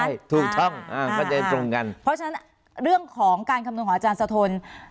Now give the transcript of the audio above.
ใช่ถูกต้องเข้าใจตรงกันเพราะฉะนั้นเรื่องของการคำนวณของอาจารย์สะทน